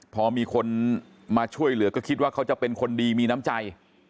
พอมีคนมาช่วยเหลือก็คิดว่าเขาจะเป็นคนดีมีน้ำใจ